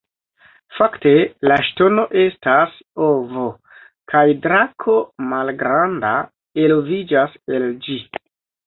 Fakte la ŝtono estas ovo kaj drako malgranda eloviĝas el ĝi.